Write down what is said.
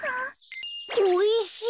おいしい！